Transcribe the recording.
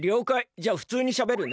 じゃあふつうにしゃべるね。